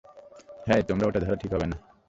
হেই, তোমার ওটা ধরা ঠিক হবে না।